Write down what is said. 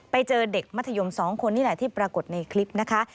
ไปเจอเด็กมัธยม๒คนนี่แหละที่ปรากฏในคลิปนะคะ